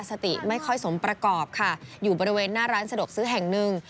สติไม่ค่อยสมประกอบค่ะอยู่บริเวณหน้าร้านสะดวกซื้อแห่งหนึ่ง